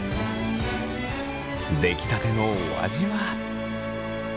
出来たてのお味は。